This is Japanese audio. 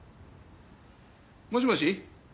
もしもし？